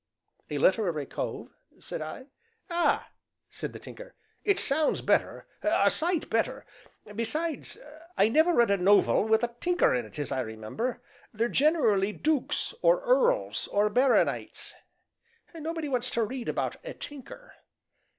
"A literary cove?" said I. "Ah!" said the Tinker, "it sounds better a sight better besides, I never read a nov el with a tinker in it as I remember; they're generally dooks, or earls, or barronites nobody wants to read about a tinker."